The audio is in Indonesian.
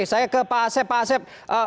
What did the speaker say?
saya ke pak asep